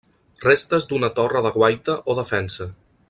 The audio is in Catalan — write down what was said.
Restes d'una torre de guaita o defensa.